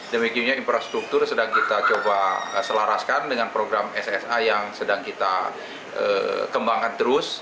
demikian infrastruktur sedang kita coba selaraskan dengan program ssa yang sedang kita kembangkan terus